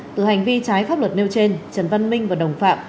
từ hành vi trái pháp luật nêu trên trần văn minh và đồng phạm